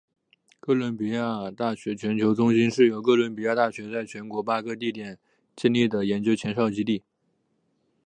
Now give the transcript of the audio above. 哥伦比亚大学全球中心是由哥伦比亚大学在全球八个地点建立的研究前哨基地。